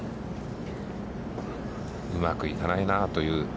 うまくいかないなあという。